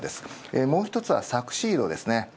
もう１つはサクシードですね。